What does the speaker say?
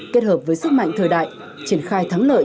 kết hợp với sức mạnh thời đại triển khai thắng lợi